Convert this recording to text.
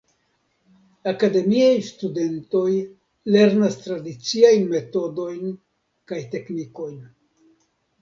Akademiaj studentoj lernas tradiciajn metodojn kaj teknikojn.